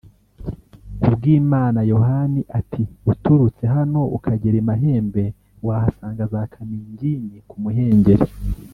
Kubwimana Yohani ati “Uturutse hano ukagera i Mahembe wahasanga za kaningini ku muhengeri